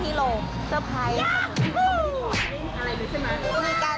มีการถามอยู่ค่ะ